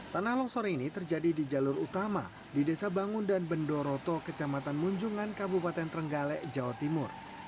tanah longsor ini terjadi di jalur utama di desa bangun dan bendoroto kecamatan munjungan kabupaten trenggalek jawa timur